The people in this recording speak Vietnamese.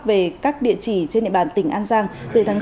về các địa chỉ trên địa bàn tỉnh an giang